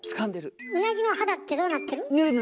ウナギの肌ってどうなってる？